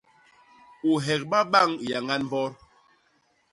U hegba bañ yañan mbot.